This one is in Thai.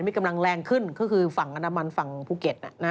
มีกำลังแรงขึ้นก็คือฝั่งอนามันฝั่งภูเก็ต